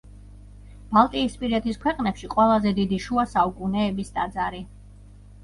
ბალტიისპირეთის ქვეყნებში ყველაზე დიდი შუა საუკუნეების ტაძარი.